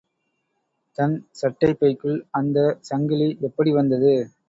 தன் சட்டைப் பைக்குள் அந்த சங்கிலி எப்படி வந்தது?